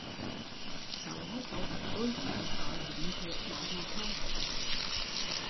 Xấu hay tốt, tui cũng chỉ có dúm ruột đó mà thôi